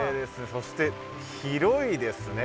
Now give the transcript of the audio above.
そして広いですね